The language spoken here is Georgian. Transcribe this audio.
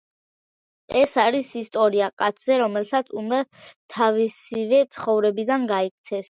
ეს არის ისტორია კაცზე, რომელსაც უნდა თავისივე ცხოვრებიდან გაიქცეს.